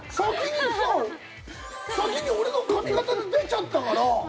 先に俺の髪形で出ちゃったから。